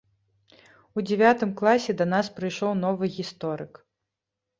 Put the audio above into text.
У дзявятым класе да нас прыйшоў новы гісторык.